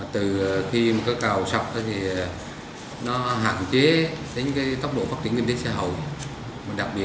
từ khi cầu sọc nó hạn chế tốc độ phát triển kinh tế xã hội